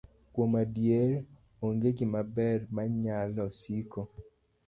Kuom adier, onge gimaber manyalo siko.